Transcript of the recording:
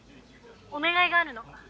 お願いがあるの。なあ？